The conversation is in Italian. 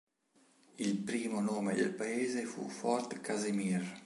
Il primo nome del paese fu "Fort Casimir".